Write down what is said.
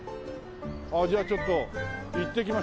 じゃあちょっと行ってきましょう。